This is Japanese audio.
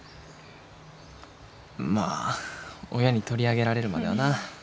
まあ親に取り上げられるまではな。